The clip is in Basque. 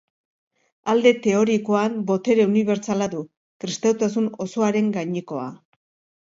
Alde teorikoan, botere unibertsala du, kristautasun osoaren gainekoa.